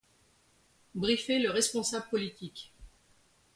Briefer le responsable politique.